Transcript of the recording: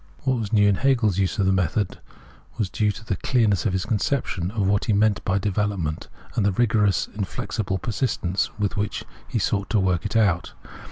'* Wh.at was new in Hegel's use of the method was due to the clearness of his conception of what he meant by develop ment, and the rigorous, inflexible persistence with which he sought to work it out.